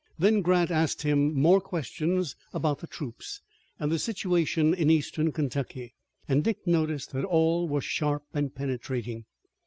Then Grant asked him more questions about the troops and the situation in Eastern Kentucky, and Dick noticed that all were sharp and penetrating.